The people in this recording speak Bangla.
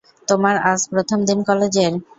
তোমার আজ প্রথম দিন কলেজের?